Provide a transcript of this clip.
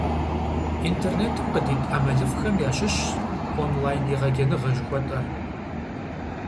Интернетым къыдит ӀэмалыфӀхэм ящыщщ, «онлайн-егъэджэныгъэ» жыхуэтӀэр.